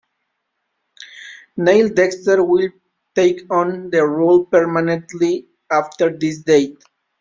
Neil Dexter will take on the role permanently after this date.